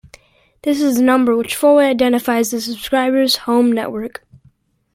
This is the number which fully identifies a subscriber's home network.